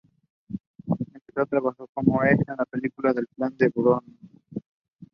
She was formerly director and professor of gender studies at the University of Sussex.